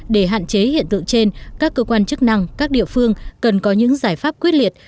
để hạn chế hiện tượng trên các cơ quan chức năng các địa phương cần có những giải pháp quyết liệt